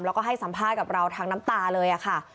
แล้วก็ให้สัมภาษณ์กับเราทางน้ำตาเลยค่ะ